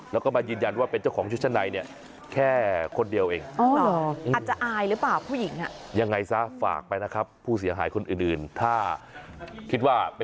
แล้วก็มายืนยันว่าเป็นเจ้าของชุดชั้นในเนี่ยแค่คนเดียวเอง